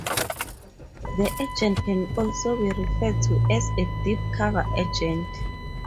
The agent can also be referred to as a 'deep cover' agent.